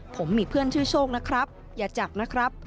ผมมีเพื่อนชื่อโชคนะครับอย่าจับนะครับ